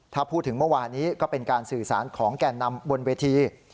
ถ้าพูดถึงเมื่อวานี้ก็เป็นการสื่อสารของแก่นำบนเวที